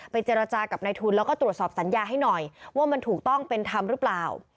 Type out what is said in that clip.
เจรจากับนายทุนแล้วก็ตรวจสอบสัญญาให้หน่อยว่ามันถูกต้องเป็นธรรมหรือเปล่า